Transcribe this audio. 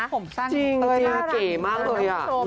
ดิฉันชอบลุกผมสร้างของเต้ยเก่มากเลยอะ